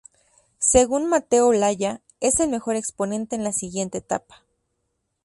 Según Mateo Olaya, es el mejor exponente de la siguiente etapa.